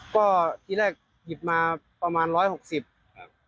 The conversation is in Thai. ก็ทีแรกหยิบมาประมาณ๑๖๐ครับ